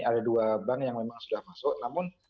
ada dua bank yang memang sudah masuk namun